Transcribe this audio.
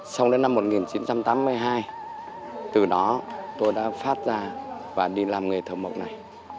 xong đến năm một nghìn chín trăm tám mươi hai từ đó tôi đã phát ra và đi làm nghề thờ mộc này